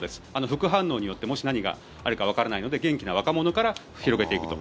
副反応としてもし何があるかわからないので元気な若者から打っていくと。